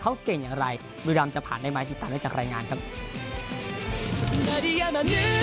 เขาเก่งอย่างไรบุรีรำจะผ่านได้ไหมติดตามได้จากรายงานครับ